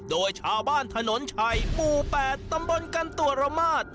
โดยชาวบ้านถนนชัยหมู่๘ตำบลกันตัวระมาท